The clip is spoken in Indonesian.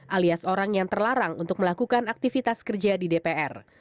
alias orang yang terlarang untuk melakukan aktivitas kerja di dpr